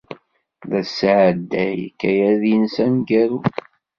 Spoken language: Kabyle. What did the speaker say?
La tesɛedday akayad-nnes ameggaru.